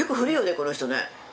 この人ね。